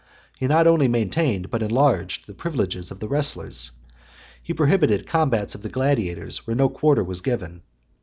He not only maintained, but enlarged, the privileges of the wrestlers. He prohibited combats of gladiators where no quarter was given.